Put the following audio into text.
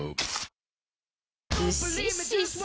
ウッシッシッシ